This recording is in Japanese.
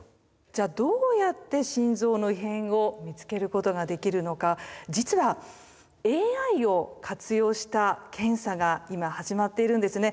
じゃどうやって心臓の異変を見つけることができるのか実はＡＩを活用した検査が今始まっているんですね。